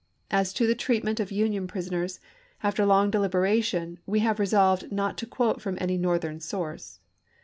As to the treat ment of Union prisoners, after long deliberation, we have resolved not to quote from any Northern source.